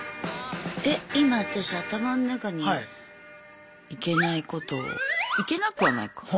えっ今私頭の中にいけないことをいけなくはないか。